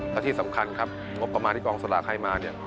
และที่สำคัญครับงบประมาณที่กองสลากให้มาเนี่ย